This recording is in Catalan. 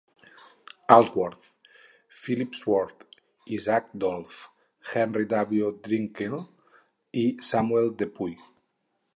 Allsworth, Philip Swartz, Isaac Dolph, Henry W. Drinker i Samuel De Puy.